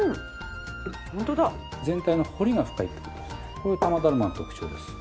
これが多摩だるまの特徴です。